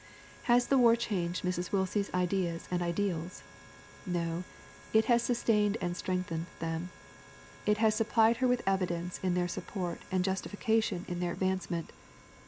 Has the war changed Mrs. Willsie's ideas and ideals? No, it has sustained and strengthened them; it has supplied her with evidence in their support and justification in their advancement.